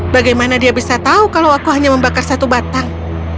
bagaimana dia bisa tahu kalau aku hanya membakar satu batang